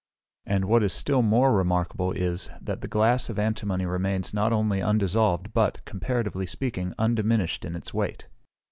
And what is still more remarkable is, that the glass of antimony remains not only undissolved, but, comparatively speaking, undiminished in its weight.